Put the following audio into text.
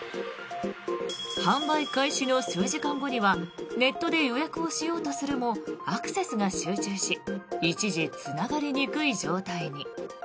販売開始の数時間後にはネットで予約をしようとするもアクセスが集中し一時つながりにくい状態に。